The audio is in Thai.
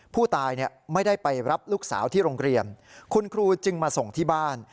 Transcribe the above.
ผู้ตายไม่ได้ไปรับลูกสาวที่โรงเรียนคุณครูจึงมาส่งที่บ้าน